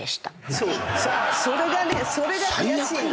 それがねそれが悔しいの。